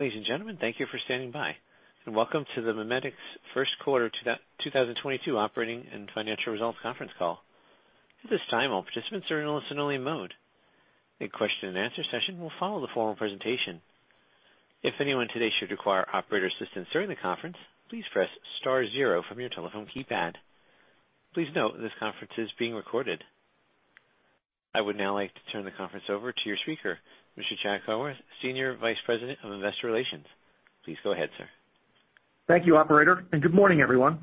Ladies and gentlemen, thank you for standing by and welcome to the MiMedx First Quarter 2022 Operating and Financial Results Conference Call. At this time, all participants are in a listen only mode. A question and answer session will follow the formal presentation. If anyone today should require operator assistance during the conference, please press star zero from your telephone keypad. Please note this conference is being recorded. I would now like to turn the conference over to your speaker, Mr. Jack Howarth, Senior Vice President of Investor Relations. Please go ahead, sir. Thank you, operator, and good morning, everyone.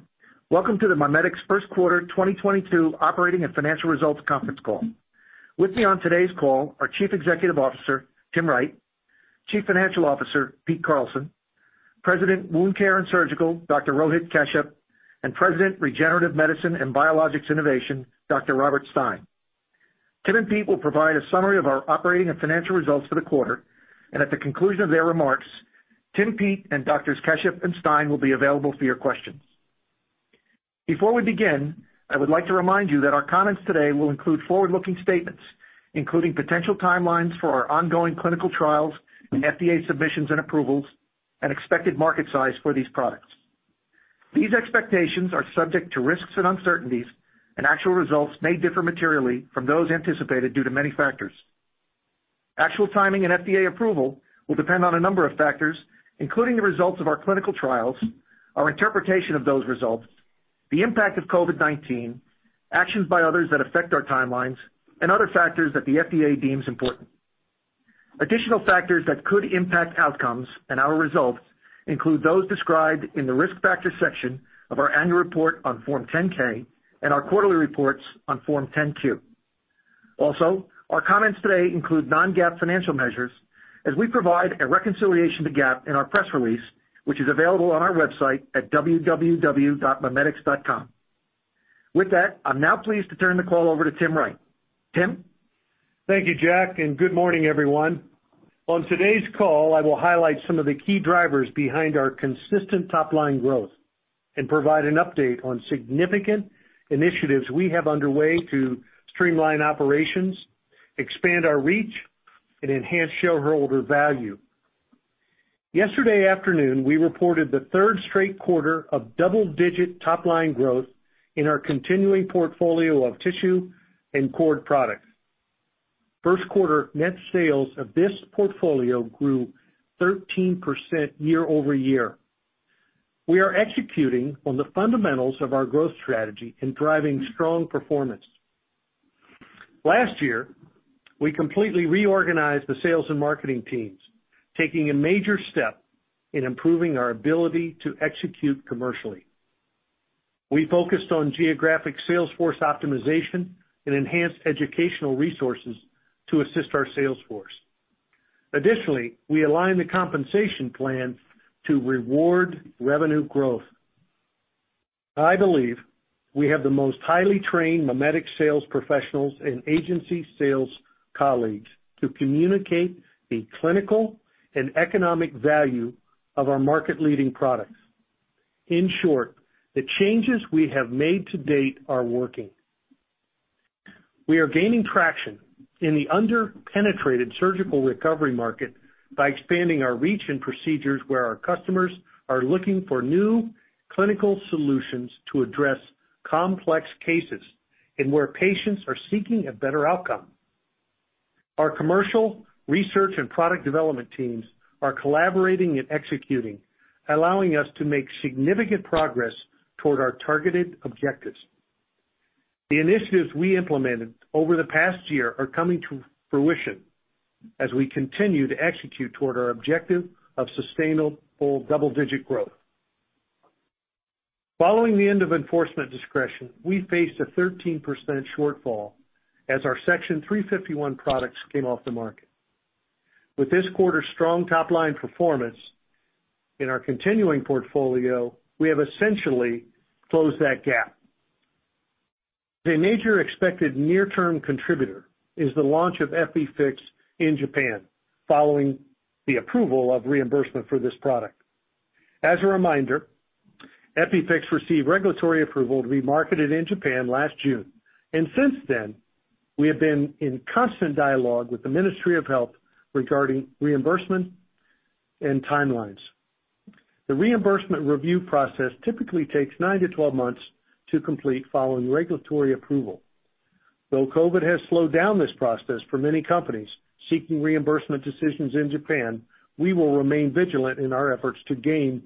Welcome to the MiMedx First Quarter 2022 Operating and Financial Results Conference Call. With me on today's call are Chief Executive Officer Tim Wright, Chief Financial Officer Pete Carlson, President, Wound Care and Surgical, Dr. Rohit Kashyap, and President, Regenerative Medicine and Biologics Innovation, Dr. Robert Stein. Tim and Pete will provide a summary of our operating and financial results for the quarter. At the conclusion of their remarks, Tim, Pete, and Doctors Kashyap and Stein will be available for your questions. Before we begin, I would like to remind you that our comments today will include forward-looking statements, including potential timelines for our ongoing clinical trials, FDA submissions and approvals, and expected market size for these products. These expectations are subject to risks and uncertainties, and actual results may differ materially from those anticipated due to many factors. Actual timing and FDA approval will depend on a number of factors, including the results of our clinical trials, our interpretation of those results, the impact of COVID-19, actions by others that affect our timelines and other factors that the FDA deems important. Additional factors that could impact outcomes and our results include those described in the Risk Factors section of our annual report on Form 10-K and our quarterly reports on Form 10-Q. Also, our comments today include non-GAAP financial measures as we provide a reconciliation to GAAP in our press release, which is available on our website at www.mimedx.com. With that, I'm now pleased to turn the call over to Tim Wright. Tim? Thank you, Jack, and good morning, everyone. On today's call, I will highlight some of the key drivers behind our consistent top-line growth and provide an update on significant initiatives we have underway to streamline operations, expand our reach and enhance shareholder value. Yesterday afternoon, we reported the third straight quarter of double-digit top-line growth in our continuing portfolio of tissue and cord products. First quarter net sales of this portfolio grew 13% year-over-year. We are executing on the fundamentals of our growth strategy and driving strong performance. Last year, we completely reorganized the sales and marketing teams, taking a major step in improving our ability to execute commercially. We focused on geographic sales force optimization and enhanced educational resources to assist our sales force. Additionally, we aligned the compensation plan to reward revenue growth. I believe we have the most highly trained MiMedx sales professionals and agency sales colleagues to communicate the clinical and economic value of our market leading products. In short, the changes we have made to date are working. We are gaining traction in the under-penetrated surgical recovery market by expanding our reach and procedures where our customers are looking for new clinical solutions to address complex cases and where patients are seeking a better outcome. Our commercial, research, and product development teams are collaborating and executing, allowing us to make significant progress toward our targeted objectives. The initiatives we implemented over the past year are coming to fruition as we continue to execute toward our objective of sustainable double-digit growth. Following the end of enforcement discretion, we faced a 13% shortfall as our Section 351 products came off the market. With this quarter's strong top-line performance in our continuing portfolio, we have essentially closed that gap. The major expected near-term contributor is the launch of EPIFIX in Japan following the approval of reimbursement for this product. As a reminder, EPIFIX received regulatory approval to be marketed in Japan last June, and since then, we have been in constant dialogue with the Ministry of Health regarding reimbursement and timelines. The reimbursement review process typically takes nine-12 months to complete following regulatory approval. Though COVID has slowed down this process for many companies seeking reimbursement decisions in Japan, we will remain vigilant in our efforts to gain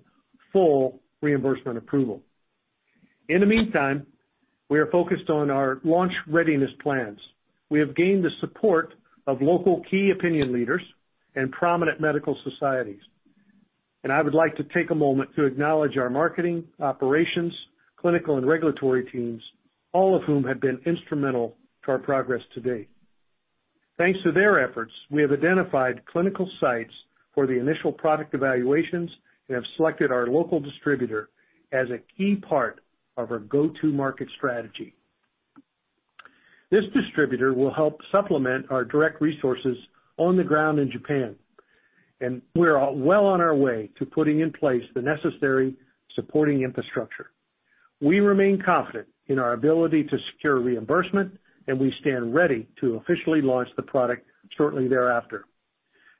full reimbursement approval. In the meantime, we are focused on our launch readiness plans. We have gained the support of local key opinion leaders and prominent medical societies, and I would like to take a moment to acknowledge our marketing, operations, clinical, and regulatory teams, all of whom have been instrumental to our progress to date. Thanks to their efforts, we have identified clinical sites for the initial product evaluations and have selected our local distributor as a key part of our go-to market strategy. This distributor will help supplement our direct resources on the ground in Japan, and we're well on our way to putting in place the necessary supporting infrastructure. We remain confident in our ability to secure reimbursement, and we stand ready to officially launch the product shortly thereafter.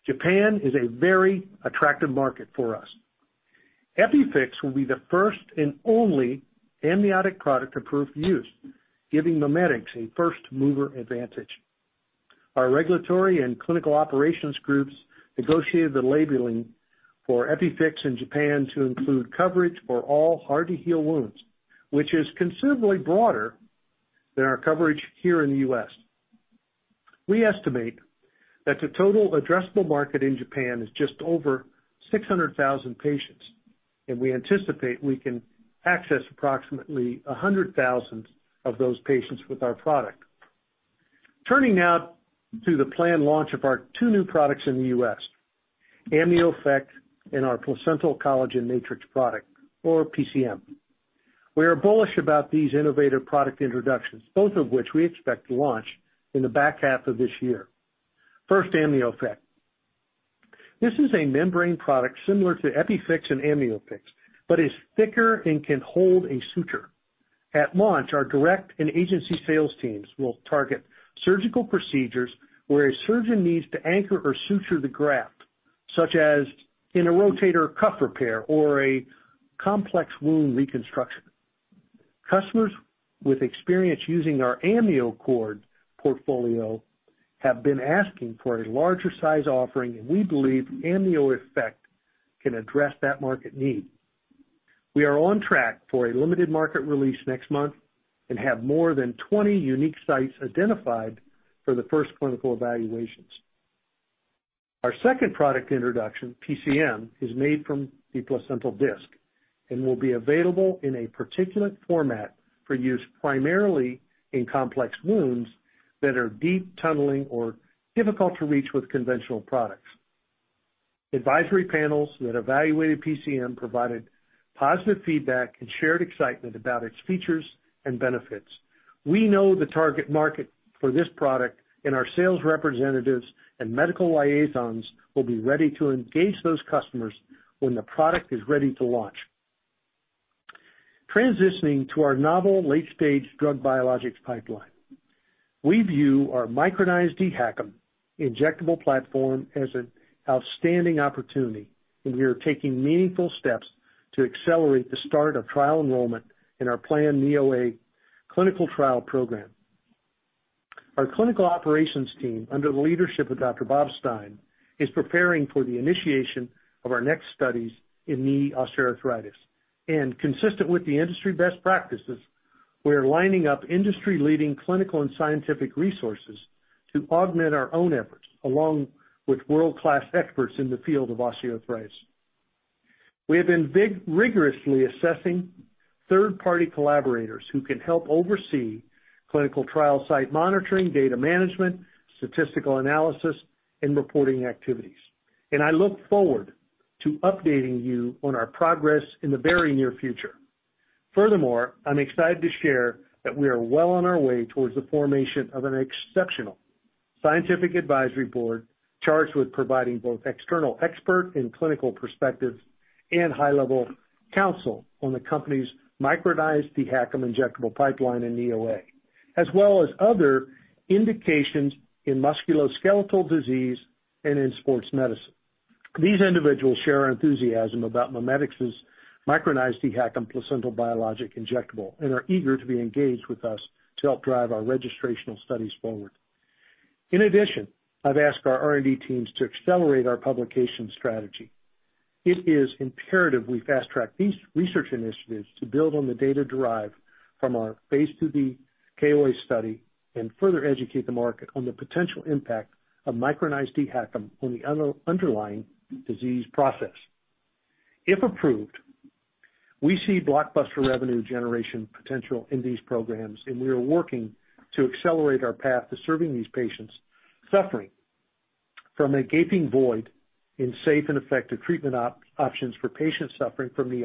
Japan is a very attractive market for us. EPIFIX will be the first and only amniotic product approved use, giving MiMedx a first mover advantage. Our regulatory and clinical operations groups negotiated the labeling for EPIFIX in Japan to include coverage for all hard to heal wounds, which is considerably broader than our coverage here in the U.S. We estimate that the total addressable market in Japan is just over 600,000 patients, and we anticipate we can access approximately 100,000 of those patients with our product. Turning now to the planned launch of our two new products in the U.S., AMNIOEFFECT and our placental collagen matrix product, or PCM. We are bullish about these innovative product introductions, both of which we expect to launch in the back half of this year. First, AMNIOEFFECT. This is a membrane product similar to EPIFIX and AmnioFix, but is thicker and can hold a suture. At launch, our direct and agency sales teams will target surgical procedures where a surgeon needs to anchor or suture the graft, such as in a rotator cuff repair or a complex wound reconstruction. Customers with experience using our AmnioCord portfolio have been asking for a larger size offering, and we believe AMNIOEFFECT can address that market need. We are on track for a limited market release next month and have more than 20 unique sites identified for the first clinical evaluations. Our second product introduction, PCM, is made from the placental disc and will be available in a particulate format for use primarily in complex wounds that are deep tunneling or difficult to reach with conventional products. Advisory panels that evaluated PCM provided positive feedback and shared excitement about its features and benefits. We know the target market for this product and our sales representatives and medical liaisons will be ready to engage those customers when the product is ready to launch. Transitioning to our novel late stage drug biologics pipeline. We view our micronized DHACM injectable platform as an outstanding opportunity, and we are taking meaningful steps to accelerate the start of trial enrollment in our planned NeoA clinical trial program. Our clinical operations team, under the leadership of Dr. Bob Stein, is preparing for the initiation of our next studies in knee osteoarthritis. Consistent with the industry best practices, we are lining up industry leading clinical and scientific resources to augment our own efforts along with world class experts in the field of osteoarthritis. We have been rigorously assessing third party collaborators who can help oversee clinical trial site monitoring, data management, statistical analysis and reporting activities. I look forward to updating you on our progress in the very near future. Furthermore, I'm excited to share that we are well on our way towards the formation of an exceptional scientific advisory board charged with providing both external expert and clinical perspectives and high-level counsel on the company's micronized DHACM injectable pipeline in knee OA, as well as other indications in musculoskeletal disease and in sports medicine. These individuals share our enthusiasm about MiMedx's micronized DHACM placental biologic injectable and are eager to be engaged with us to help drive our registrational studies forward. In addition, I've asked our R&D teams to accelerate our publication strategy. It is imperative we fast track these research initiatives to build on the data derived from our phase II-B KOA study and further educate the market on the potential impact of micronized DHACM on the underlying disease process. If approved, we see blockbuster revenue generation potential in these programs, and we are working to accelerate our path to serving these patients suffering from a gaping void in safe and effective treatment options for patients suffering from knee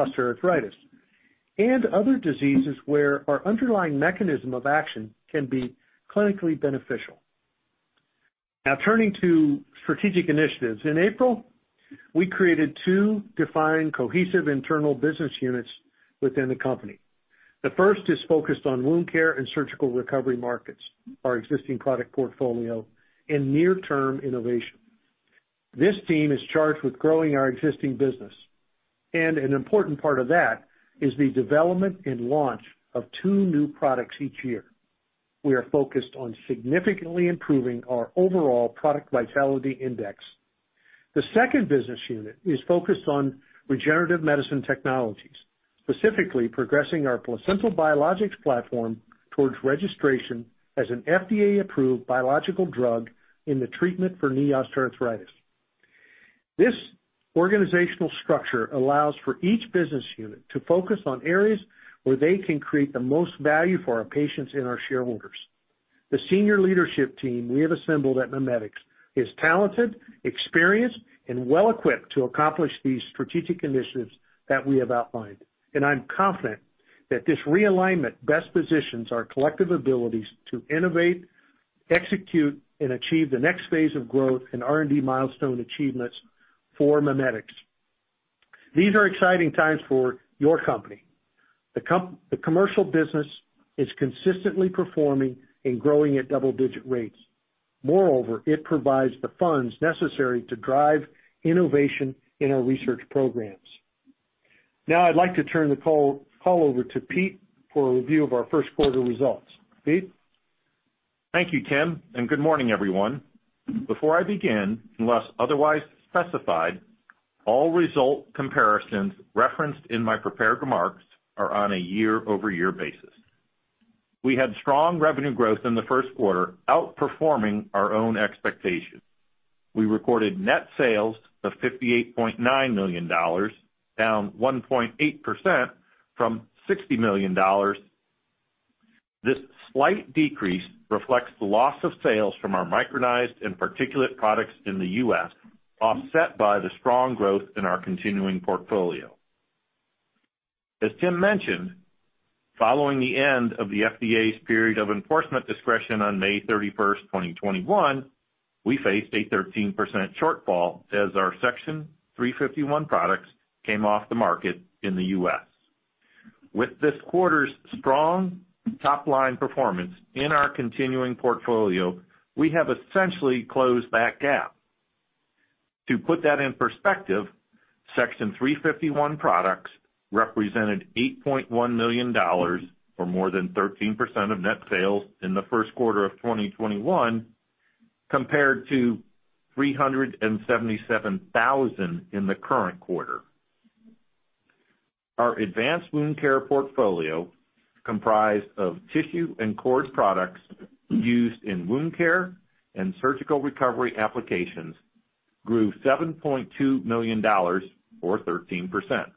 osteoarthritis and other diseases where our underlying mechanism of action can be clinically beneficial. Now turning to strategic initiatives. In April, we created two defined cohesive internal business units within the company. The first is focused on wound care and surgical recovery markets, our existing product portfolio and near term innovation. This team is charged with growing our existing business, and an important part of that is the development and launch of two new products each year. We are focused on significantly improving our overall product vitality index. The second business unit is focused on regenerative medicine technologies, specifically progressing our placental biologics platform towards registration as an FDA approved biological drug in the treatment for knee osteoarthritis. This organizational structure allows for each business unit to focus on areas where they can create the most value for our patients and our shareholders. The senior leadership team we have assembled at MiMedx is talented, experienced, and well equipped to accomplish these strategic initiatives that we have outlined. I'm confident that this realignment best positions our collective abilities to innovate, execute, and achieve the next phase of growth and R&D milestone achievements for MiMedx. These are exciting times for your company. The commercial business is consistently performing and growing at double-digit rates. Moreover, it provides the funds necessary to drive innovation in our research programs. Now I'd like to turn the call over to Pete for a review of our first quarter results. Pete? Thank you, Tim, and good morning, everyone. Before I begin, unless otherwise specified, all result comparisons referenced in my prepared remarks are on a year-over-year basis. We had strong revenue growth in the first quarter, outperforming our own expectations. We recorded net sales of $58.9 million, down 1.8% from $60 million. This slight decrease reflects the loss of sales from our micronized and particulate products in the U.S., offset by the strong growth in our continuing portfolio. As Tim mentioned, following the end of the FDA's period of enforcement discretion on May 31st, 2021, we faced a 13% shortfall as our Section 351 products came off the market in the U.S. With this quarter's strong top-line performance in our continuing portfolio, we have essentially closed that gap. To put that in perspective, Section 351 products represented $8.1 million, or more than 13% of net sales in the first quarter of 2021, compared to $377,000 in the current quarter. Our advanced wound care portfolio, comprised of tissue and cord products used in wound care and surgical recovery applications, grew $7.2 million, or 13%.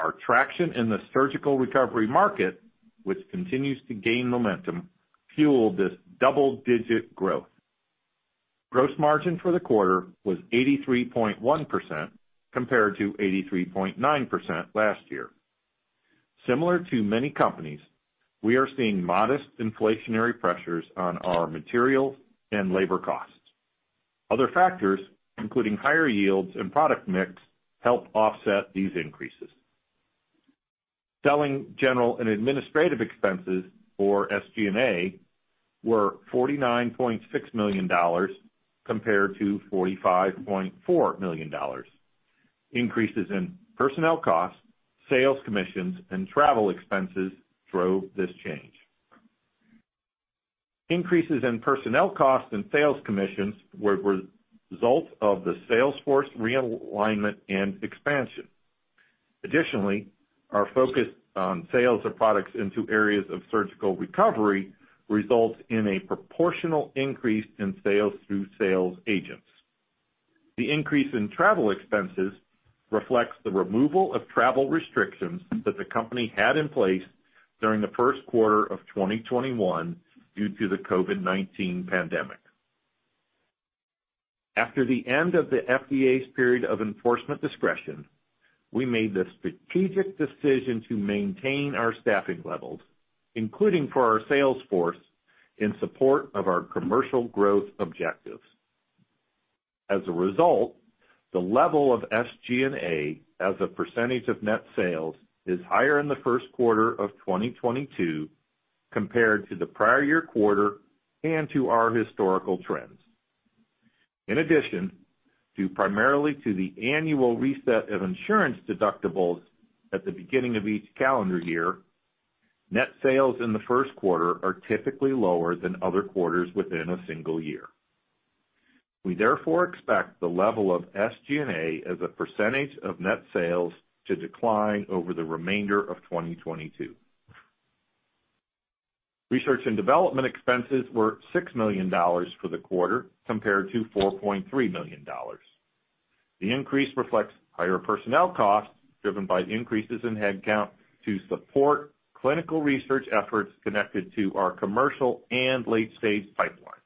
Our traction in the surgical recovery market, which continues to gain momentum, fueled this double-digit growth. Gross margin for the quarter was 83.1% compared to 83.9% last year. Similar to many companies, we are seeing modest inflationary pressures on our materials and labor costs. Other factors, including higher yields and product mix, help offset these increases. Selling general and administrative expenses, or SG&A, were $49.6 million compared to $45.4 million. Increases in personnel costs, sales commissions, and travel expenses drove this change. Increases in personnel costs and sales commissions were results of the sales force realignment and expansion. Additionally, our focus on sales of products into areas of surgical recovery results in a proportional increase in sales through sales agents. The increase in travel expenses reflects the removal of travel restrictions that the company had in place during the first quarter of 2021 due to the COVID-19 pandemic. After the end of the FDA's period of enforcement discretion, we made the strategic decision to maintain our staffing levels, including for our sales force, in support of our commercial growth objectives. As a result, the level of SG&A as a percentage of net sales is higher in the first quarter of 2022 compared to the prior year quarter and to our historical trends. In addition, due primarily to the annual reset of insurance deductibles at the beginning of each calendar year, net sales in the first quarter are typically lower than other quarters within a single year. We therefore expect the level of SG&A as a percentage of net sales to decline over the remainder of 2022. Research and development expenses were $6 million for the quarter, compared to $4.3 million. The increase reflects higher personnel costs, driven by increases in headcount to support clinical research efforts connected to our commercial and late-stage pipeline.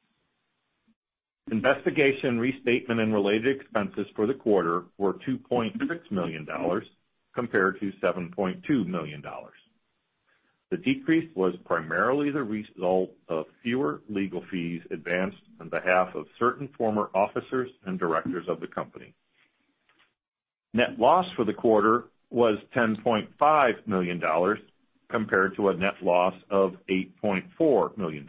Investigation, restatement, and related expenses for the quarter were $2.6 million compared to $7.2 million. The decrease was primarily the result of fewer legal fees advanced on behalf of certain former officers and directors of the company. Net loss for the quarter was $10.5 million compared to a net loss of $8.4 million.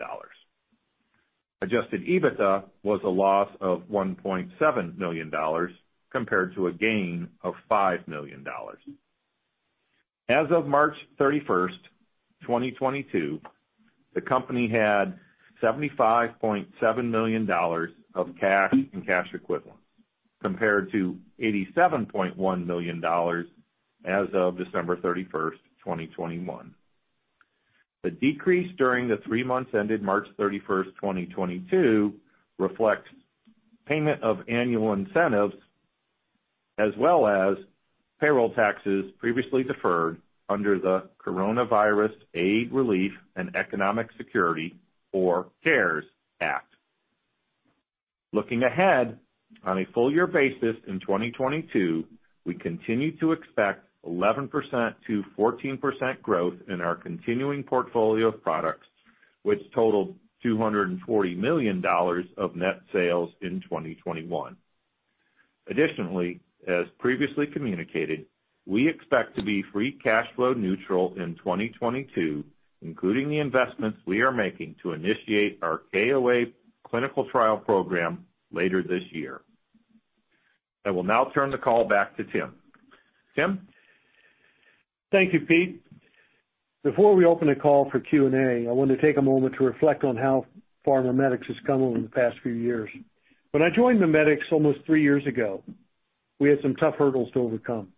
Adjusted EBITDA was a loss of $1.7 million compared to a gain of $5 million. As of March 31st, 2022, the company had $75.7 million of cash and cash equivalents compared to $87.1 million as of December 31, 2021. The decrease during the three months ended March 31st, 2022 reflects payment of annual incentives as well as payroll taxes previously deferred under the Coronavirus Aid, Relief, and Economic Security, or CARES Act. Looking ahead, on a full year basis in 2022, we continue to expect 11%-14% growth in our continuing portfolio of products. Which totaled $240 million of net sales in 2021. Additionally, as previously communicated, we expect to be free cash flow neutral in 2022, including the investments we are making to initiate our KOA clinical trial program later this year. I will now turn the call back to Tim. Tim? Thank you, Pete. Before we open the call for Q&A, I want to take a moment to reflect on how far MiMedx has come over the past few years. When I joined MiMedx almost three years ago, we had some tough hurdles to overcome.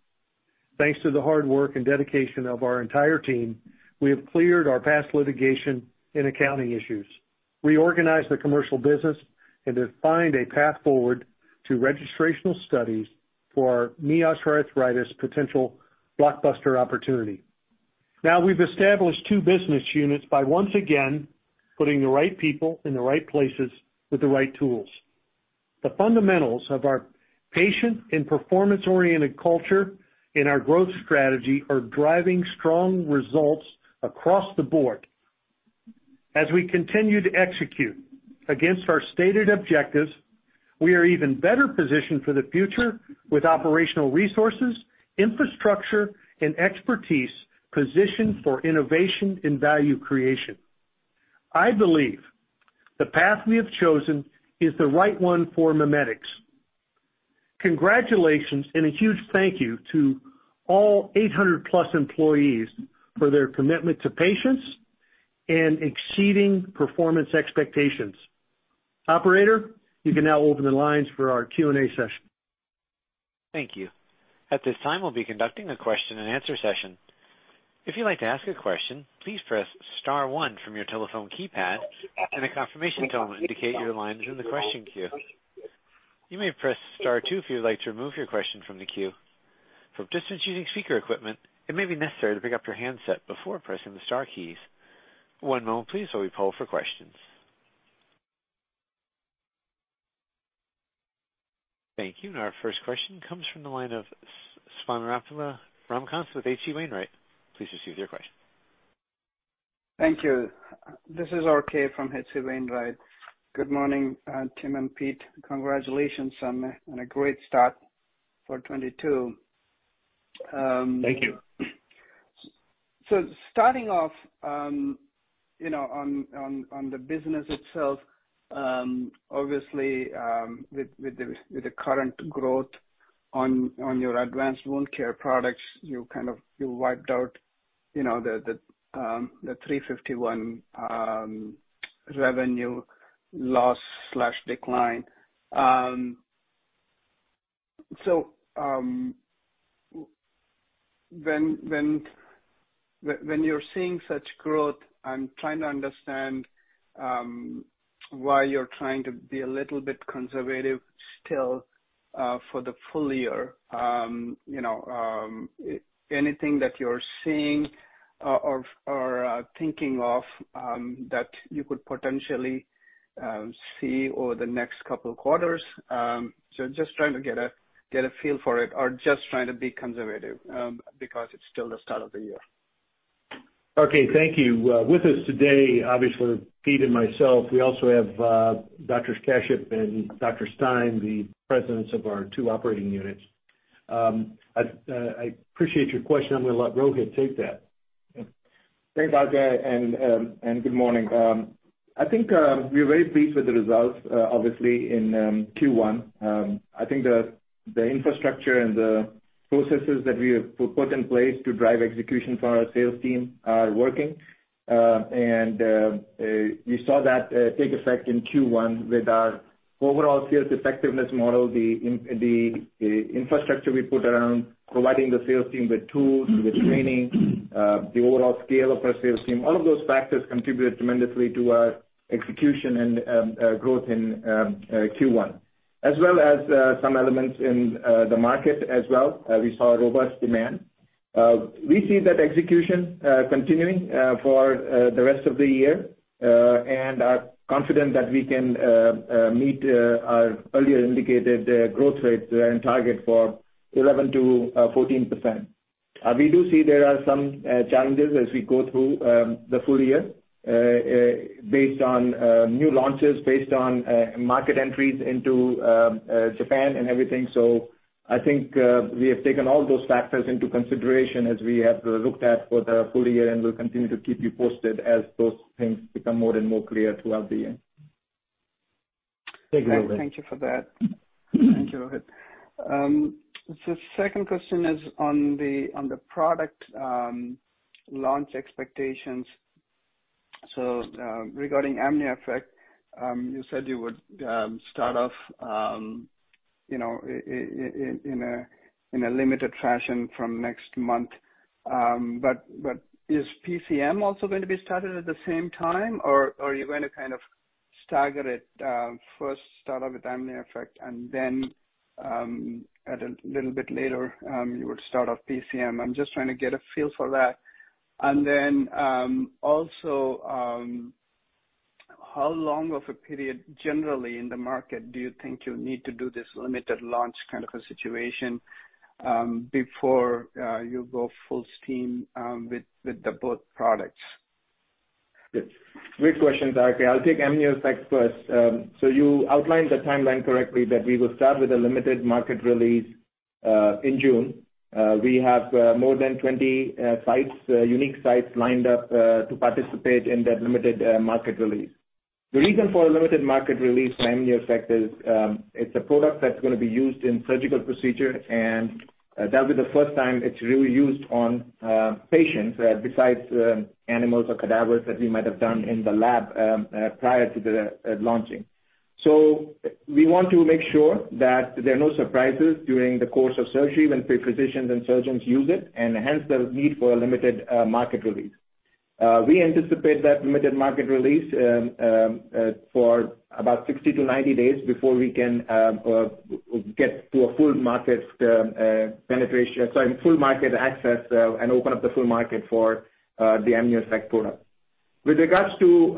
Thanks to the hard work and dedication of our entire team, we have cleared our past litigation and accounting issues, reorganized the commercial business, and defined a path forward to registrational studies for knee osteoarthritis potential blockbuster opportunity. Now, we've established two business units by once again putting the right people in the right places with the right tools. The fundamentals of our patient and performance-oriented culture and our growth strategy are driving strong results across the board. As we continue to execute against our stated objectives, we are even better positioned for the future with operational resources, infrastructure, and expertise positioned for innovation and value creation. I believe the path we have chosen is the right one for MiMedx. Congratulations and a huge thank you to all 800+ employees for their commitment to patients and exceeding performance expectations. Operator, you can now open the lines for our Q&A session. Thank you. At this time, we'll be conducting a question-and-answer session. If you'd like to ask a question, please press star one from your telephone keypad, and a confirmation tone will indicate your line is in the question queue. You may press star two if you'd like to remove your question from the queue. For participants using speaker equipment, it may be necessary to pick up your handset before pressing the star keys. One moment please, while we poll for questions. Thank you. Our first question comes from the line of Swayampakula Ramakanth with H.C. Wainwright. Please proceed with your question. Thank you. This is RK from H.C. Wainwright. Good morning, Tim and Pete. Congratulations on a great start for 2022. Thank you. Starting off, you know, on the business itself, obviously, with the current growth on your advanced wound care products, you wiped out, you know, the 351 revenue loss slash decline. When you're seeing such growth, I'm trying to understand why you're trying to be a little bit conservative still for the full year. You know, anything that you're seeing or thinking of that you could potentially see over the next couple quarters? Just trying to get a feel for it, or just trying to be conservative because it's still the start of the year. Okay. Thank you. With us today, obviously Pete and myself, we also have Dr. Kashyap and Dr. Stein, the presidents of our two operating units. I appreciate your question. I'm gonna let Rohit take that. Thanks, RK, and good morning. I think we are very pleased with the results, obviously in Q1. I think the infrastructure and the processes that we have put in place to drive execution for our sales team are working. We saw that take effect in Q1 with our overall sales effectiveness model, the infrastructure we put around providing the sales team with tools, with training, the overall scale of our sales team. All of those factors contributed tremendously to our execution and growth in Q1. As well as some elements in the market as well. We saw robust demand. We see that execution continuing for the rest of the year and are confident that we can meet our earlier indicated growth rate and target for 11%-14%. We do see there are some challenges as we go through the full year based on new launches, based on market entries into Japan and everything. I think we have taken all those factors into consideration as we have looked at for the full year, and we'll continue to keep you posted as those things become more and more clear throughout the year. Thank you, Rohit. Thank you for that. Thank you, Rohit. The second question is on the product launch expectations. Regarding AmnioFix, you said you would start off, you know, in a limited fashion from next month. But is PCM also going to be started at the same time, or are you going to kind of stagger it, first start off with AmnioFix and then, at a little bit later, you would start off PCM? I'm just trying to get a feel for that. How long of a period generally in the market do you think you need to do this limited launch kind of a situation, before you go full steam with the both products? Yes. Great question, RK. I'll take Amnioject first. So you outlined the timeline correctly that we will start with a limited market release in June. We have more than 20 unique sites lined up to participate in that limited market release. The reason for a limited market release for Amnioject is, it's a product that's gonna be used in surgical procedure, and that'll be the first time it's really used on patients besides animals or cadavers that we might have done in the lab prior to the launching. We want to make sure that there are no surprises during the course of surgery when physicians and surgeons use it, and hence the need for a limited market release. We anticipate that limited market release for about 60-90 days before we can get to a full market access and open up the full market for the AmnioFix Injectable product. With regards to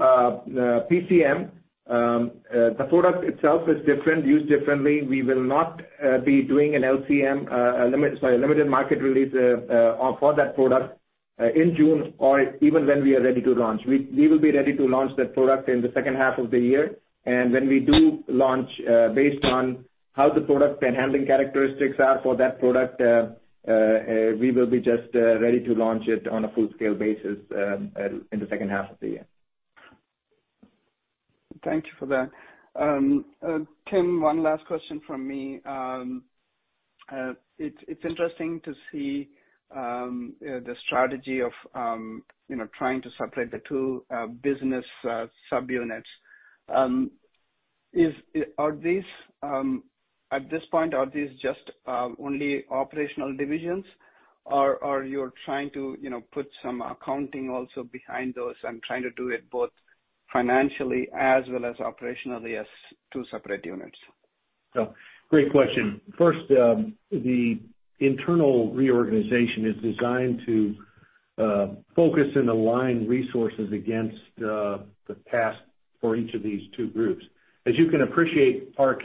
PCM, the product itself is different, used differently. We will not be doing an LMR, a limited market release, for that product in June or even when we are ready to launch. We will be ready to launch that product in the second half of the year. When we do launch, based on how the product and handling characteristics are for that product, we will be just ready to launch it on a full-scale basis, in the second half of the year. Thank you for that. Tim, one last question from me. It's interesting to see the strategy of, you know, trying to separate the two business subunits. Are these, at this point, just only operational divisions or you're trying to, you know, put some accounting also behind those and trying to do it both financially as well as operationally as two separate units? Great question. First, the internal reorganization is designed to focus and align resources against the task for each of these two groups. As you can appreciate, RK,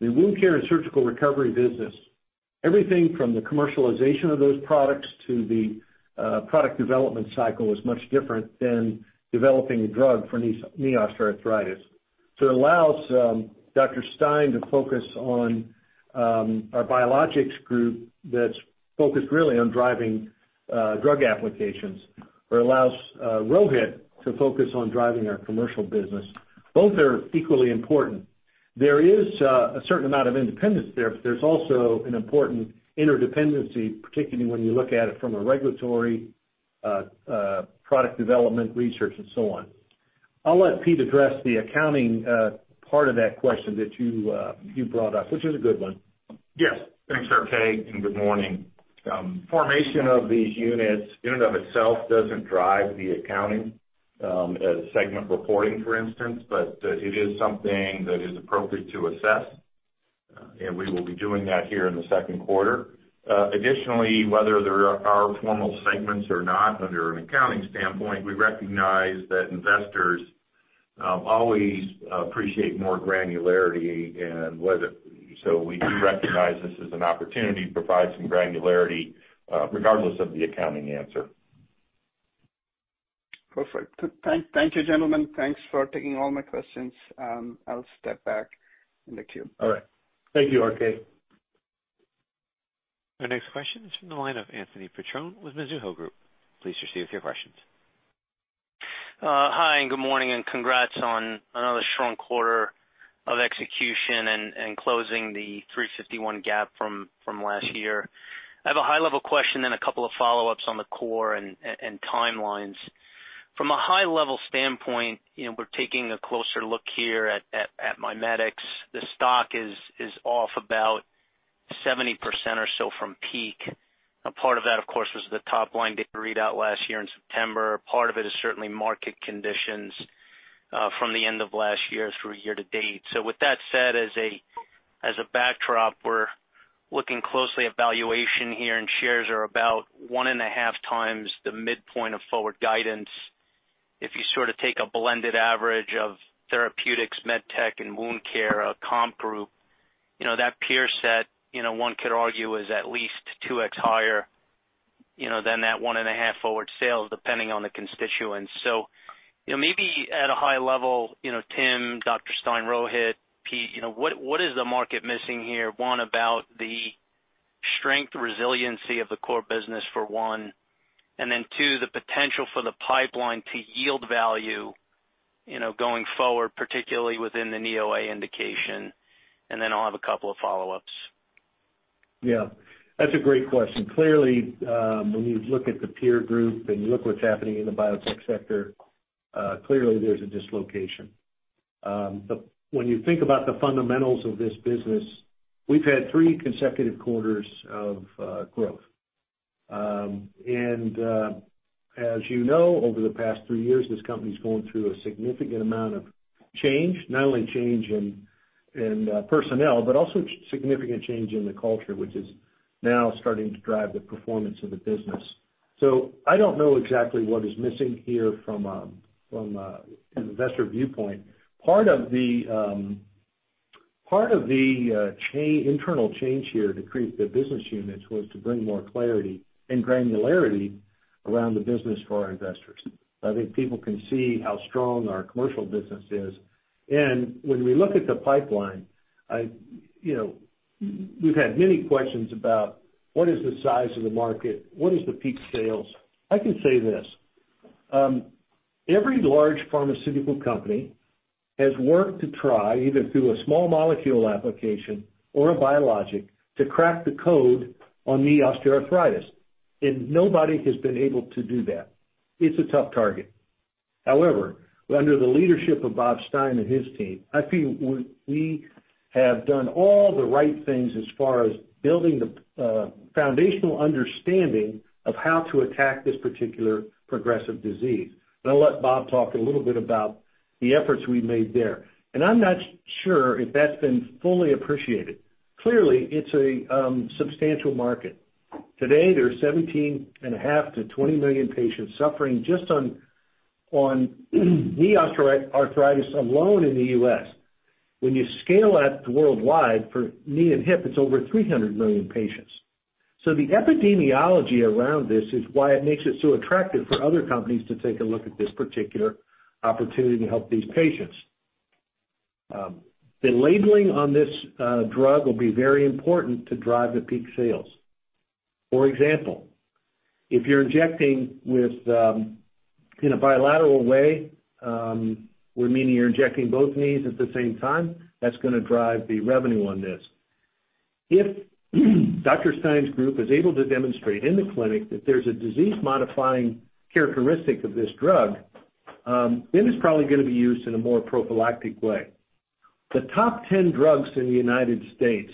the wound care and surgical recovery business, everything from the commercialization of those products to the product development cycle is much different than developing a drug for knee osteoarthritis. It allows Dr. Stein to focus on our biologics group that's focused really on driving drug applications, or allows Rohit to focus on driving our commercial business. Both are equally important. There is a certain amount of independence there, but there's also an important interdependency, particularly when you look at it from a regulatory product development research and so on. I'll let Pete address the accounting part of that question that you brought up, which is a good one. Yes. Thanks, RK, and good morning. Formation of these units in and of itself doesn't drive the accounting, as segment reporting, for instance, but it is something that is appropriate to assess, and we will be doing that here in the second quarter. Additionally, whether there are formal segments or not, under an accounting standpoint, we recognize that investors always appreciate more granularity. We do recognize this as an opportunity to provide some granularity, regardless of the accounting answer. Perfect. Thank you, gentlemen. Thanks for taking all my questions. I'll step back in the queue. All right. Thank you, RK. Our next question is from the line of Anthony Petrone with Mizuho Group. Please proceed with your questions. Hi, good morning, congrats on another strong quarter of execution and closing the 351 gap from last year. I have a high-level question and a couple of follow-ups on the core and timelines. From a high-level standpoint, you know, we're taking a closer look here at MiMedx. The stock is off about 70% or so from peak. A part of that, of course, was the top-line data readout last year in September. Part of it is certainly market conditions from the end of last year through year to date. With that said, as a backdrop, we're looking closely at valuation here, and shares are about 1.5 times the midpoint of forward guidance. If you sort of take a blended average of therapeutics, med tech and wound care, a comp group, you know, that peer set, you know, one could argue is at least 2x higher, you know, than that 1.5 forward sales, depending on the constituents. You know, maybe at a high level, you know, Tim, Dr. Stein, Rohit, Pete, you know, what is the market missing here? One, about the strength resiliency of the core business for one, and then two, the potential for the pipeline to yield value, you know, going forward, particularly within the knee OA indication. Then I'll have a couple of follow-ups. Yeah, that's a great question. Clearly, when you look at the peer group and you look what's happening in the biotech sector, clearly there's a dislocation. But when you think about the fundamentals of this business, we've had three consecutive quarters of growth. As you know, over the past three years, this company's gone through a significant amount of change, not only change in personnel, but also significant change in the culture, which is now starting to drive the performance of the business. I don't know exactly what is missing here from an investor viewpoint. Part of the internal change here to create the business units was to bring more clarity and granularity around the business for our investors. I think people can see how strong our commercial business is. When we look at the pipeline, I, you know, we've had many questions about what is the size of the market? What is the peak sales? I can say this, every large pharmaceutical company has worked to try, either through a small molecule application or a biologic, to crack the code on knee osteoarthritis, and nobody has been able to do that. It's a tough target. However, under the leadership of Bob Stein and his team, I feel we have done all the right things as far as building the foundational understanding of how to attack this particular progressive disease. I'll let Bob talk a little bit about the efforts we've made there. I'm not sure if that's been fully appreciated. Clearly, it's a substantial market. Today, there are 17.5 million-20 million patients suffering just on knee osteoarthritis alone in the U.S. When you scale that worldwide for knee and hip, it's over 300 million patients. The epidemiology around this is why it makes it so attractive for other companies to take a look at this particular opportunity to help these patients. The labeling on this drug will be very important to drive the peak sales. For example, if you're injecting with in a bilateral way, we're meaning you're injecting both knees at the same time, that's gonna drive the revenue on this. If Dr. Stein's group is able to demonstrate in the clinic that there's a disease-modifying characteristic of this drug, then it's probably gonna be used in a more prophylactic way. The top ten drugs in the United States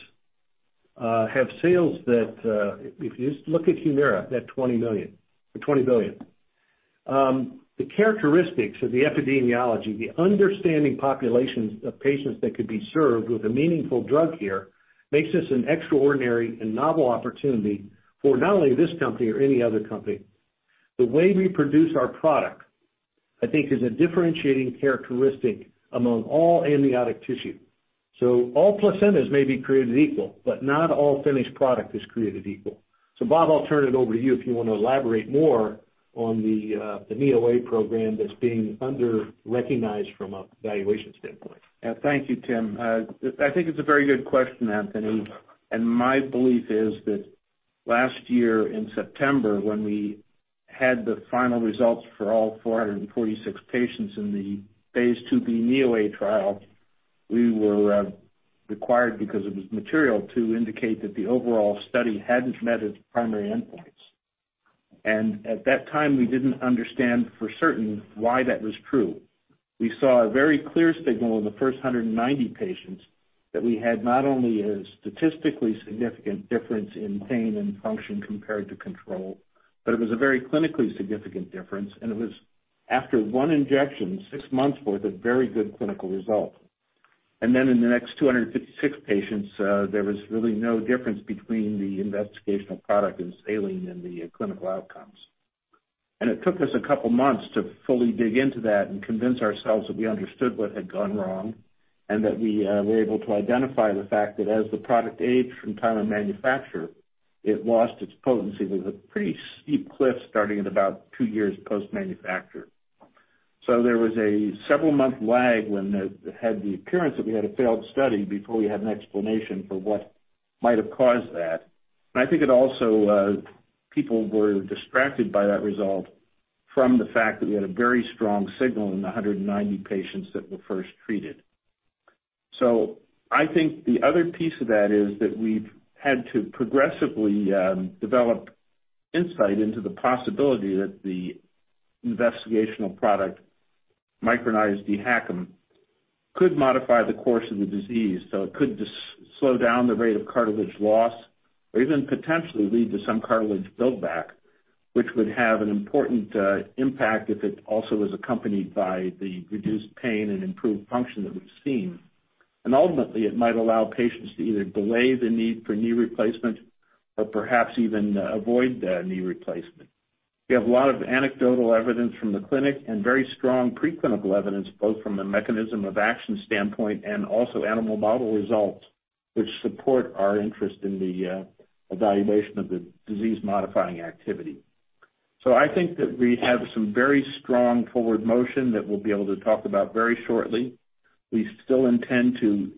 have sales that, if you just look at Humira, they're $20 million or $20 billion. The characteristics of the epidemiology, the understanding populations of patients that could be served with a meaningful drug here makes this an extraordinary and novel opportunity for not only this company or any other company. The way we produce our product, I think, is a differentiating characteristic among all amniotic tissue. All placentas may be created equal, but not all finished product is created equal. Bob, I'll turn it over to you if you wanna elaborate more on the NeoA program that's being under-recognized from a valuation standpoint. Yeah. Thank you, Tim. I think it's a very good question, Anthony. My belief is that last year in September, when we had the final results for all 446 patients in the phase II-B NeoA trial, we were required because it was material to indicate that the overall study hadn't met its primary endpoints. At that time, we didn't understand for certain why that was true. We saw a very clear signal in the first 190 patients that we had not only a statistically significant difference in pain and function compared to control, but it was a very clinically significant difference. It was after one injection, six months worth of very good clinical results. Then in the next 256 patients, there was really no difference between the investigational product and saline in the clinical outcomes. It took us a couple months to fully dig into that and convince ourselves that we understood what had gone wrong, and that we were able to identify the fact that as the product aged from time of manufacture, it lost its potency. There was a pretty steep cliff starting at about two years post-manufacture. There was a several-month lag when it had the appearance that we had a failed study before we had an explanation for what might have caused that. I think it also, people were distracted by that result from the fact that we had a very strong signal in the 190 patients that were first treated. I think the other piece of that is that we've had to progressively develop insight into the possibility that the investigational product, micronized dhACM, could modify the course of the disease. It could just slow down the rate of cartilage loss or even potentially lead to some cartilage build back, which would have an important impact if it also was accompanied by the reduced pain and improved function that we've seen. Ultimately, it might allow patients to either delay the need for knee replacement or perhaps even avoid the knee replacement. We have a lot of anecdotal evidence from the clinic and very strong preclinical evidence, both from the mechanism of action standpoint and also animal model results, which support our interest in the evaluation of the disease-modifying activity. I think that we have some very strong forward motion that we'll be able to talk about very shortly. We still intend to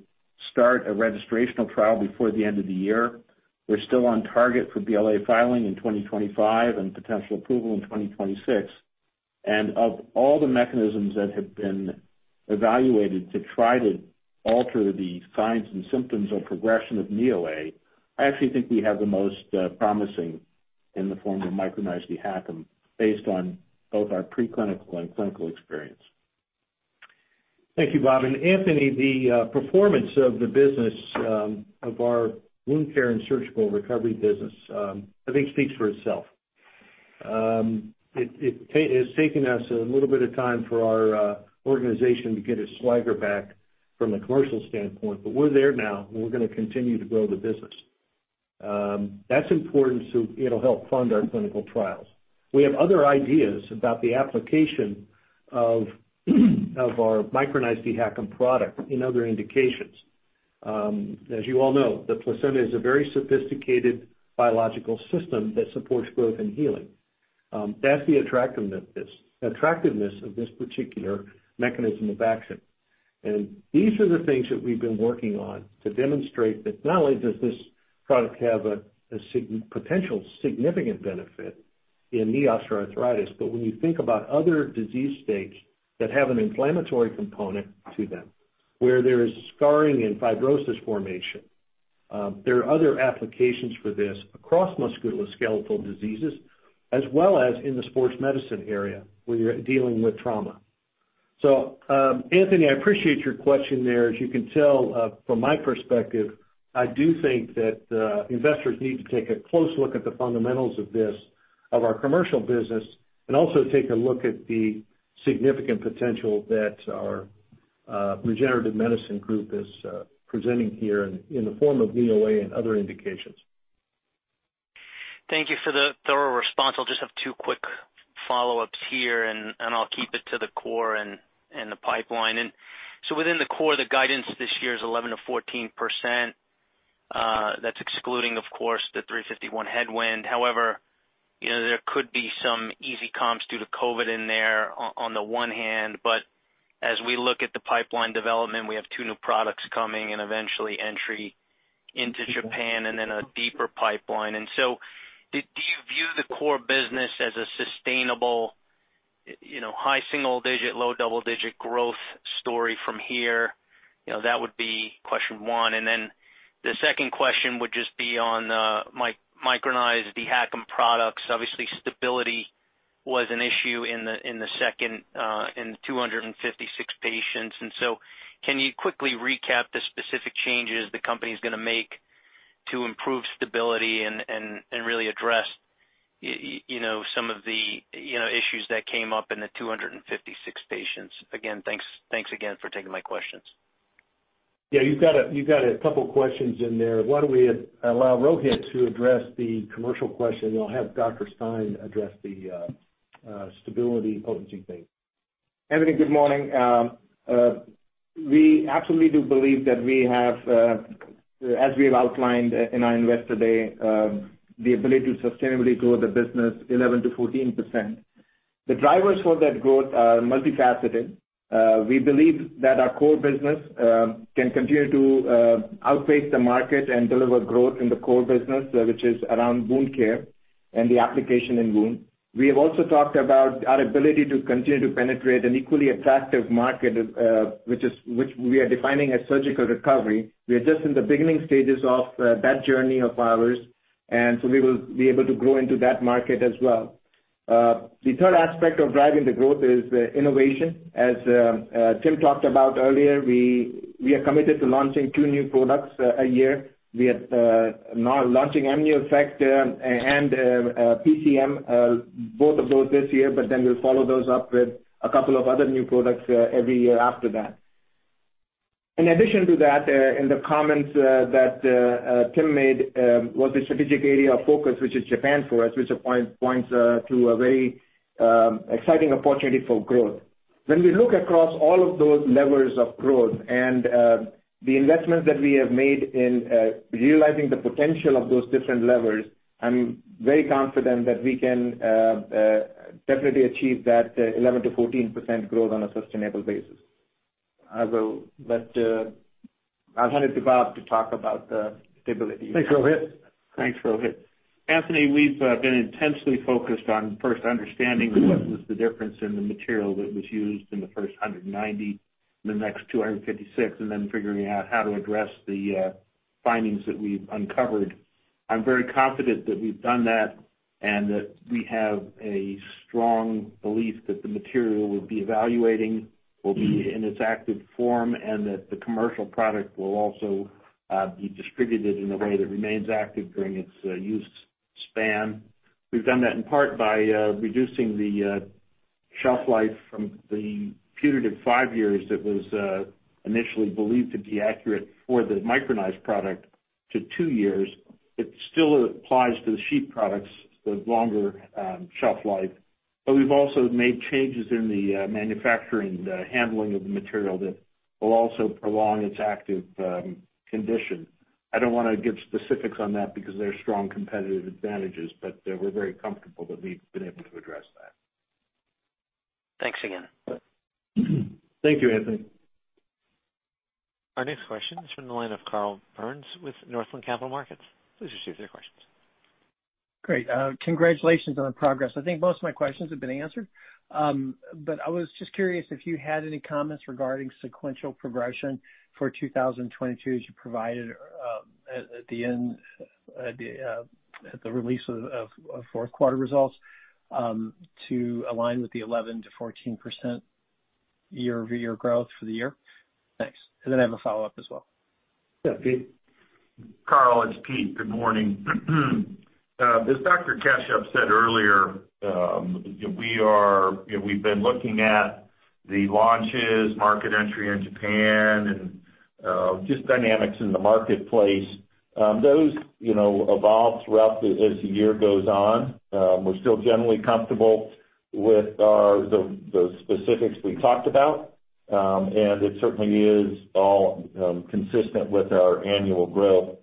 start a registrational trial before the end of the year. We're still on target for BLA filing in 2025 and potential approval in 2026. Of all the mechanisms that have been evaluated to try to alter the signs and symptoms or progression of KOA, I actually think we have the most promising in the form of micronized dhACM based on both our preclinical and clinical experience. Thank you, Bob. Anthony, the performance of the business of our wound care and surgical recovery business, I think speaks for itself. It's taken us a little bit of time for our organization to get its swagger back from a commercial standpoint, but we're there now, and we're gonna continue to grow the business. It'll help fund our clinical trials. We have other ideas about the application of our micronized dhACM product in other indications. As you all know, the placenta is a very sophisticated biological system that supports growth and healing. That's the attractiveness of this particular mechanism of action. These are the things that we've been working on to demonstrate that not only does this product have a potential significant benefit in knee osteoarthritis, but when you think about other disease states that have an inflammatory component to them, where there is scarring and fibrosis formation, there are other applications for this across musculoskeletal diseases, as well as in the sports medicine area, where you're dealing with trauma. Anthony, I appreciate your question there. As you can tell, from my perspective, I do think that investors need to take a close look at the fundamentals of our commercial business and also take a look at the significant potential that our regenerative medicine group is presenting here in the form of KOA and other indications. Thank you for the thorough response. I'll just have two quick follow-ups here, and I'll keep it to the core and the pipeline. Within the core, the guidance this year is 11%-14%. That's excluding, of course, the 351 headwind. However, you know, there could be some easy comps due to COVID in there on the one hand, but as we look at the pipeline development, we have two new products coming and eventually entry into Japan and then a deeper pipeline. Do you view the core business as a sustainable, you know, high single digit, low double digit growth story from here? You know, that would be question one. Then the second question would just be on micronized dhACM products. Obviously, stability was an issue in the second 256 patients. Can you quickly recap the specific changes the company's gonna make to improve stability and really address, you know, some of the, you know, issues that came up in the 256 patients? Again, thanks. Thanks again for taking my questions. Yeah, you've got a couple questions in there. Why don't we allow Rohit to address the commercial question, and I'll have Dr. Stein address the stability potency thing. Anthony, good morning. We absolutely do believe that we have, as we have outlined in our Investor Day, the ability to sustainably grow the business 11%-14%. The drivers for that growth are multifaceted. We believe that our core business can continue to outpace the market and deliver growth in the core business, which is around wound care and the application in wound. We have also talked about our ability to continue to penetrate an equally attractive market, which we are defining as surgical recovery. We are just in the beginning stages of that journey of ours, and so we will be able to grow into that market as well. The third aspect of driving the growth is innovation. As Tim talked about earlier, we are committed to launching two new products a year. We are now launching AmnioEffect and PCM, both of those this year, but then we'll follow those up with a couple of other new products every year after that. In addition to that, in the comments that Tim made was the strategic area of focus, which is Japan for us, which points to a very exciting opportunity for growth. When we look across all of those levers of growth and the investments that we have made in realizing the potential of those different levers, I'm very confident that we can definitely achieve that 11%-14% growth on a sustainable basis. I'll hand it to Bob to talk about the stability. Thanks, Rohit. Thanks, Rohit. Anthony, we've been intensely focused on first understanding what was the difference in the material that was used in the first 190, the next 256, and then figuring out how to address the findings that we've uncovered. I'm very confident that we've done that and that we have a strong belief that the material we'll be evaluating will be in its active form and that the commercial product will also be distributed in a way that remains active during its use span. We've done that in part by reducing the shelf life from the putative five years that was initially believed to be accurate for the micronized product to two years. It still applies to the sheet products, the longer shelf life. we've also made changes in the manufacturing, the handling of the material that will also prolong its active condition. I don't wanna give specifics on that because they're strong competitive advantages, but we're very comfortable that we've been able to address that. Thanks again. Thank you, Anthony. Our next question is from the line of Carl Byrnes with Northland Capital Markets. Please proceed with your questions. Great. Congratulations on the progress. I think most of my questions have been answered. I was just curious if you had any comments regarding sequential progression for 2022 as you provided at the end of the release of fourth quarter results to align with the 11%-14% year-over-year growth for the year? Thanks. I have a follow-up as well. Yeah, Pete. Carl, it's Pete. Good morning. As Dr. Kashyap said earlier, we've been looking at the launches, market entry in Japan and just dynamics in the marketplace. Those, you know, evolve throughout the year as the year goes on. We're still generally comfortable with the specifics we talked about, and it certainly is all consistent with our annual growth.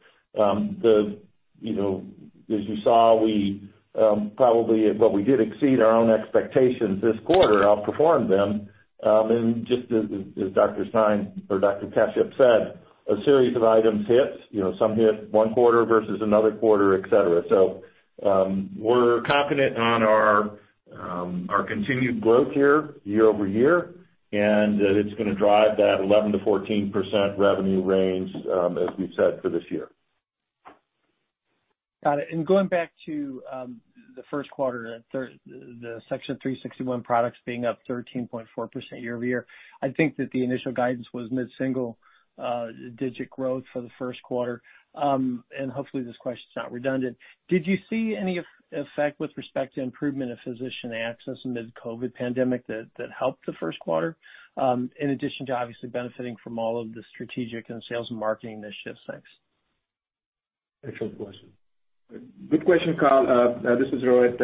You know, as you saw, we probably, well, we did exceed our own expectations this quarter, outperformed them, and just as Dr. Stein or Dr. Kashyap said, a series of items hit. You know, some hit one quarter versus another quarter, et cetera. We're confident on our continued growth here year-over-year, and that it's gonna drive that 11%-14% revenue range, as we said for this year. Got it. Going back to the first quarter, the Section 361 products being up 13.4% year-over-year, I think that the initial guidance was mid-single digit growth for the first quarter. Hopefully this question is not redundant. Did you see any effect with respect to improvement of physician access amid COVID-19 pandemic that helped the first quarter, in addition to obviously benefiting from all of the strategic and sales and marketing initiatives? Thanks. Excellent question. Good question, Carl. This is Rohit.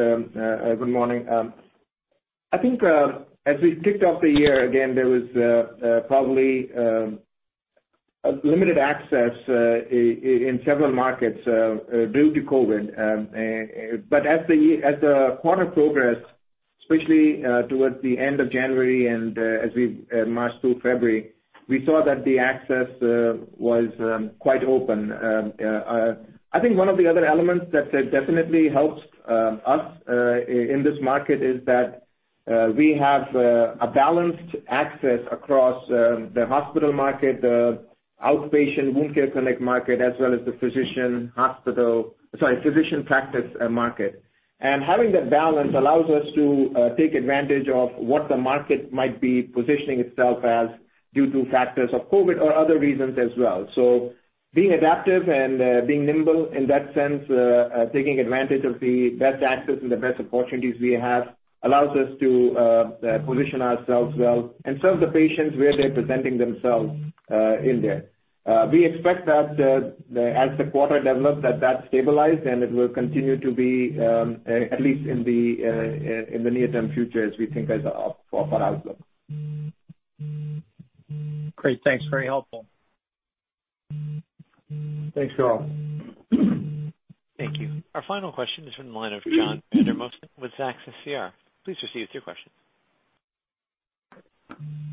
Good morning. I think, as we kicked off the year, again, there was probably limited access in several markets due to COVID. But as the quarter progressed, especially towards the end of January and as we marched through February, we saw that the access was quite open. I think one of the other elements that definitely helped us in this market is that we have a balanced access across the hospital market, outpatient wound care clinic market, as well as the physician hospital, sorry, physician practice market. Having that balance allows us to take advantage of what the market might be positioning itself as due to factors of COVID or other reasons as well. Being adaptive and being nimble in that sense, taking advantage of the best access and the best opportunities we have allows us to position ourselves well and serve the patients where they're presenting themselves in there. We expect that, as the quarter develops, that stabilized, and it will continue to be at least in the near-term future, as we think as for outlook. Great. Thanks. Very helpful. Thanks, Carl. Thank you. Our final question is from the line of John Vandermosten with Zacks SCR. Please proceed with your question.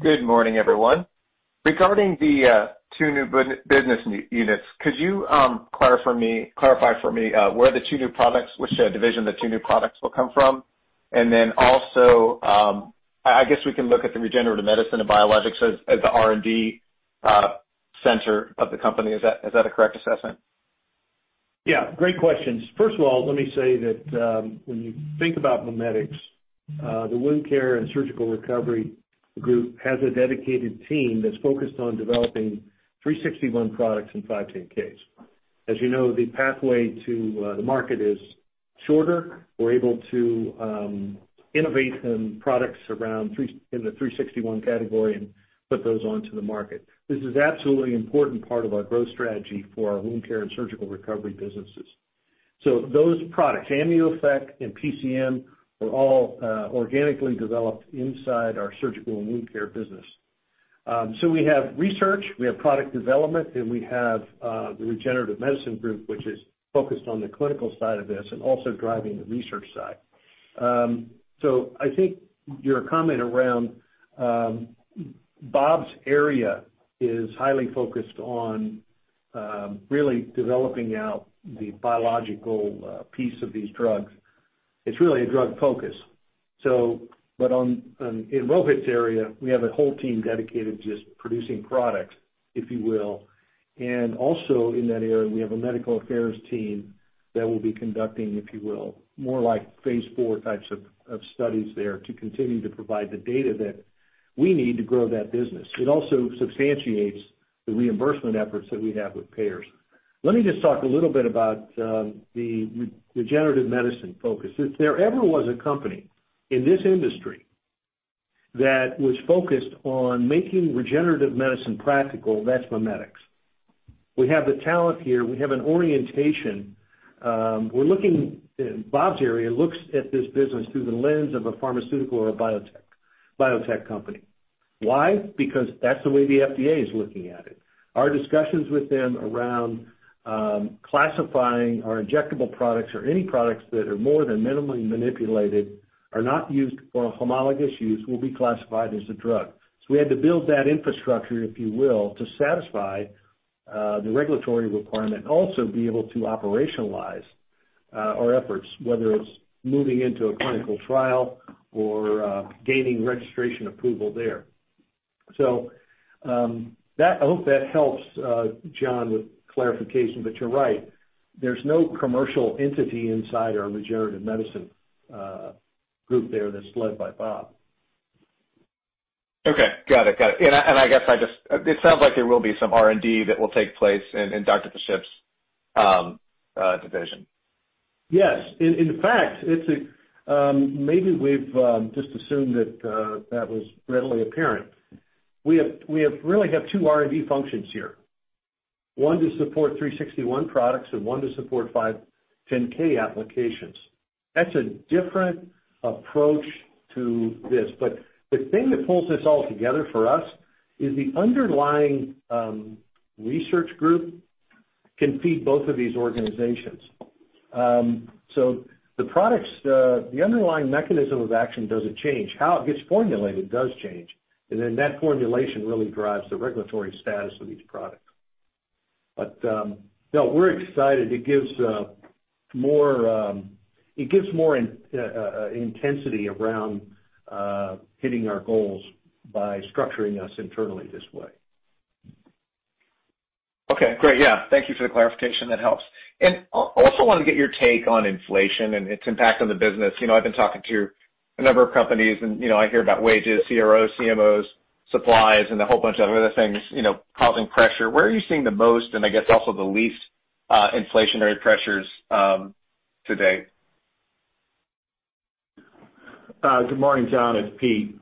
Good morning, everyone. Regarding the two new business units, could you clarify for me where the two new products will come from, which division? Also, I guess we can look at the regenerative medicine and biologics as the R&D center of the company. Is that a correct assessment? Yeah. Great questions. First of all, let me say that, when you think about MiMedx, the wound care and surgical recovery group has a dedicated team that's focused on developing 361 products in 510(k)s. As you know, the pathway to the market is shorter. We're able to innovate some products around 361, in the 361 category and put those onto the market. This is absolutely important part of our growth strategy for our wound care and surgical recovery businesses. Those products, AmnioEffect and PCM, were all organically developed inside our surgical and wound care business. We have research, we have product development, and we have the regenerative medicine group, which is focused on the clinical side of this and also driving the research side. I think your comment around, Bob's area is highly focused on, really developing out the biological, piece of these drugs. It's really a drug focus. But on, in Rohit's area, we have a whole team dedicated to just producing products, if you will. Also in that area, we have a medical affairs team that will be conducting, if you will, more like phase four types of studies there to continue to provide the data that we need to grow that business. It also substantiates the reimbursement efforts that we have with payers. Let me just talk a little bit about, the regenerative medicine focus. If there ever was a company in this industry that was focused on making regenerative medicine practical, that's MiMedx. We have the talent here. We have an orientation. Bob's area looks at this business through the lens of a pharmaceutical or a biotech company. Why? Because that's the way the FDA is looking at it. Our discussions with them around classifying our injectable products or any products that are more than minimally manipulated are not used for homologous use will be classified as a drug. We had to build that infrastructure, if you will, to satisfy the regulatory requirement, also be able to operationalize our efforts, whether it's moving into a clinical trial or gaining registration approval there. That, I hope that helps, John, with clarification, but you're right. There's no commercial entity inside our regenerative medicine group there that's led by Bob. Okay. Got it. It sounds like there will be some R&D that will take place in Dr. Kashyap's division. Yes. In fact, it's a. Maybe we've just assumed that that was readily apparent. We really have two R&D functions here. One to support 361 products and one to support 510(k) applications. That's a different approach to this. The thing that pulls this all together for us is the underlying research group can feed both of these organizations. The products, the underlying mechanism of action doesn't change. How it gets formulated does change, and then that formulation really drives the regulatory status of each product. No, we're excited it gives more intensity around hitting our goals by structuring us internally this way. Okay. Great. Yeah. Thank you for the clarification, that helps. Also wanna get your take on inflation and its impact on the business. You know, I've been talking to a number of companies and, you know, I hear about wages, CROs, CMOs, supplies, and a whole bunch of other things, you know, causing pressure. Where are you seeing the most and, I guess, also the least, inflationary pressures, today? Good morning, John, it's Pete.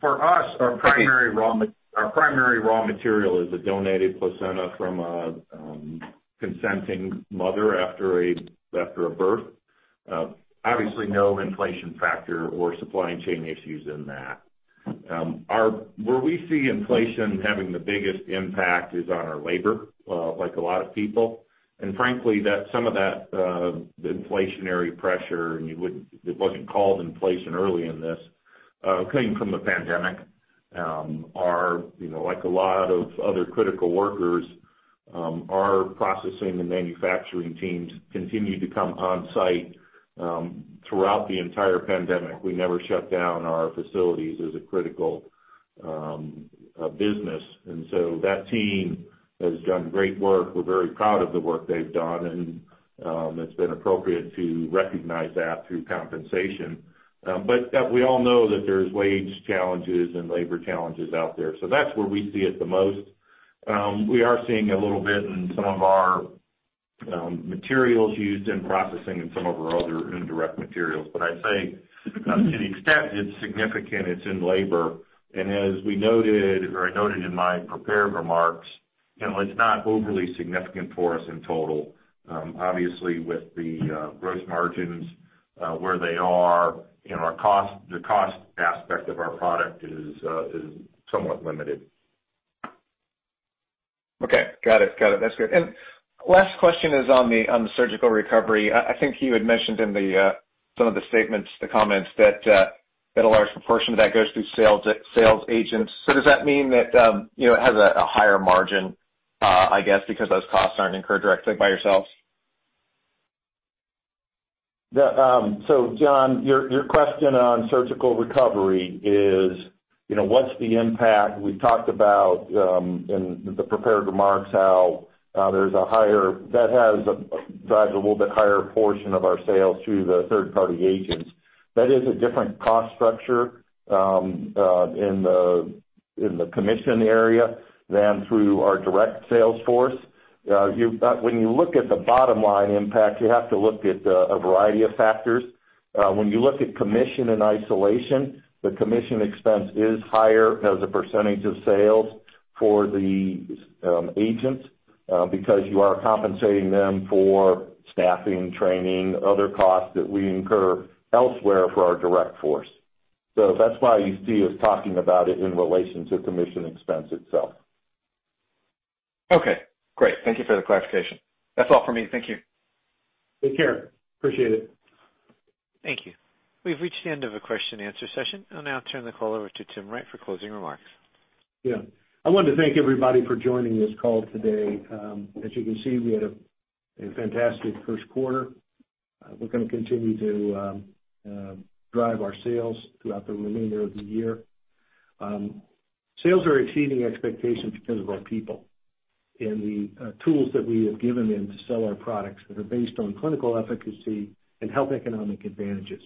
For us, our primary raw material is a donated placenta from a consenting mother after a birth. Obviously, no inflation factor or supply chain issues in that. Where we see inflation having the biggest impact is on our labor, like a lot of people. Frankly, that, some of that, inflationary pressure, it wasn't called inflation early in this, came from the pandemic. You know, like a lot of other critical workers, our processing and manufacturing teams continued to come on site, throughout the entire pandemic. We never shut down our facilities as a critical business. That team has done great work. We're very proud of the work they've done, and it's been appropriate to recognize that through compensation. Yeah, we all know that there's wage challenges and labor challenges out there. That's where we see it the most. We are seeing a little bit in some of our materials used in processing and some of our other indirect materials. I'd say to the extent it's significant, it's in labor. As we noted or I noted in my prepared remarks, you know, it's not overly significant for us in total. Obviously, with the gross margins where they are and our cost, the cost aspect of our product is somewhat limited. Okay. Got it. That's good. Last question is on the surgical recovery. I think you had mentioned in some of the statements, the comments that a large proportion of that goes through sale to sales agents. So does that mean that, you know, it has a higher margin, I guess, because those costs aren't incurred directly by yourselves? John, your question on surgical recovery is, you know, what's the impact? We talked about in the prepared remarks how that drives a little bit higher portion of our sales through the third-party agents. That is a different cost structure in the commission area than through our direct sales force. When you look at the bottom line impact, you have to look at a variety of factors. When you look at commission in isolation, the commission expense is higher as a percentage of sales for the agents because you are compensating them for staffing, training, other costs that we incur elsewhere for our direct force. That's why you see us talking about it in relation to commission expense itself. Okay, great. Thank you for the clarification. That's all for me. Thank you. Take care. Appreciate it. Thank you. We've reached the end of the question and answer session. I'll now turn the call over to Tim Wright for closing remarks. Yeah. I want to thank everybody for joining this call today. As you can see, we had a fantastic first quarter. We're gonna continue to drive our sales throughout the remainder of the year. Sales are exceeding expectations because of our people and the tools that we have given them to sell our products that are based on clinical efficacy and health economic advantages.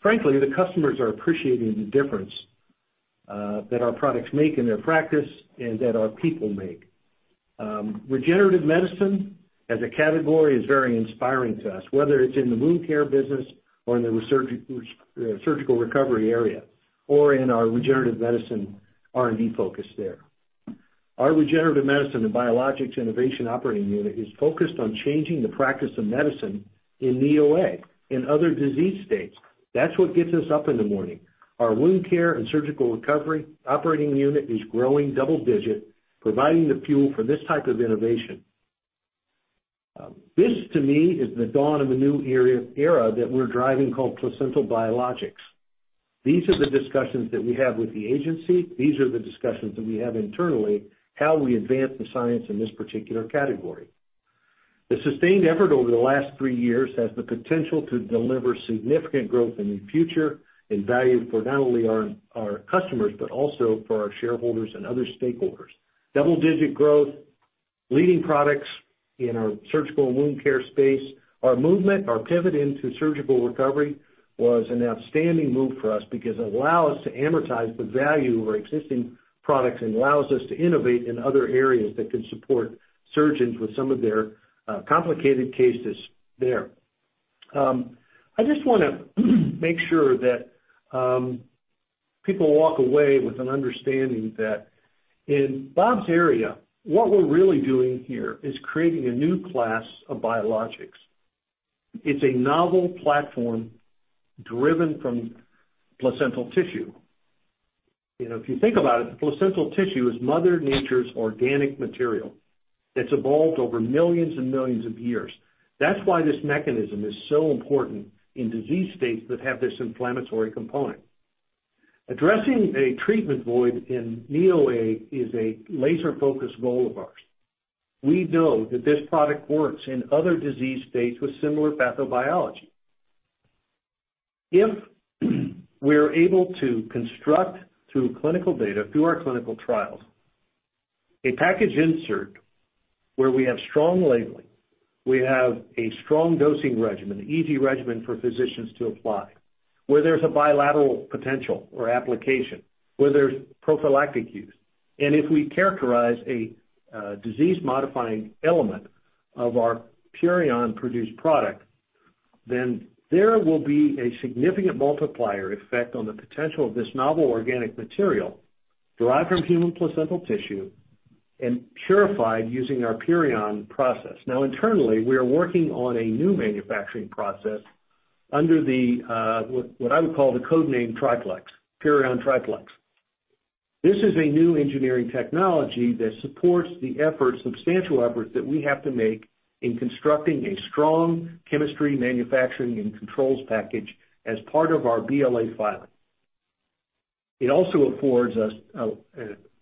Frankly, the customers are appreciating the difference that our products make in their practice and that our people make. Regenerative medicine as a category is very inspiring to us, whether it's in the wound care business or in the surgical recovery area or in our regenerative medicine R&D focus there. Our regenerative medicine and biologics innovation operating unit is focused on changing the practice of medicine in KOA and other disease states. That's what gets us up in the morning. Our wound care and surgical recovery operating unit is growing double-digit, providing the fuel for this type of innovation. This, to me, is the dawn of a new era that we're driving called placental biologics. These are the discussions that we have with the agency. These are the discussions that we have internally, how we advance the science in this particular category. The sustained effort over the last three years has the potential to deliver significant growth in the future and value for not only our customers, but also for our shareholders and other stakeholders. Double-digit growth. Leading products in our surgical wound care space. Our movement, our pivot into surgical recovery was an outstanding move for us because it allow us to amortize the value of our existing products and allows us to innovate in other areas that can support surgeons with some of their complicated cases there. I just wanna make sure that people walk away with an understanding that in Bob's area, what we're really doing here is creating a new class of biologics. It's a novel platform driven from placental tissue. You know, if you think about it, placental tissue is mother nature's organic material. It's evolved over millions and millions of years. That's why this mechanism is so important in disease states that have this inflammatory component. Addressing a treatment void in knee OA is a laser-focused goal of ours. We know that this product works in other disease states with similar pathobiology. If we're able to construct through clinical data, through our clinical trials, a package insert where we have strong labeling, we have a strong dosing regimen, easy regimen for physicians to apply, where there's a bilateral potential or application, where there's prophylactic use, and if we characterize a disease-modifying element of our PURION-produced product, then there will be a significant multiplier effect on the potential of this novel organic material derived from human placental tissue and purified using our PURION process. Now internally, we are working on a new manufacturing process under what I would call the code name Triplex, PURION Triplex. This is a new engineering technology that supports the efforts, substantial efforts that we have to make in constructing a strong chemistry manufacturing and controls package as part of our BLA filing. It also affords us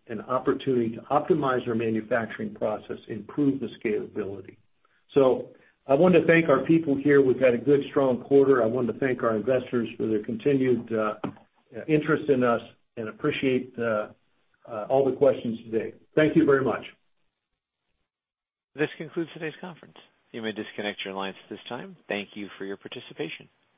an opportunity to optimize our manufacturing process, improve the scalability. I want to thank our people here. We've had a good, strong quarter. I want to thank our investors for their continued interest in us and appreciate all the questions today. Thank you very much. This concludes today's conference. You may disconnect your lines at this time. Thank you for your participation.